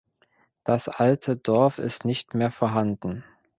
Das alte Dorf ist nicht mehr vorhanden.